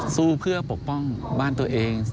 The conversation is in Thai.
สู้เพื่อปกป้องบ้านตัวเอง